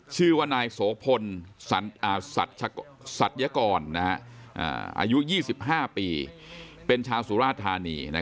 ชื่อว่านายโสพลสัจกรอายุ๒๕ปีเป็นชาวสุราธานี